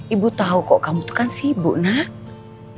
ibu tau kok kamu tuh kan sibuk nak